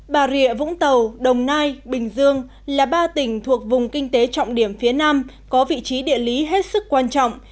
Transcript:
bà rịa vũng tàu đồng nai bình dương là ba tỉnh thuộc vùng kinh tế trọng điểm phía nam có vị trí địa lý hết sức quan trọng